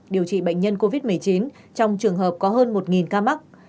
điều trị bệnh nhân covid một mươi chín trong trường hợp có hơn một ca mắc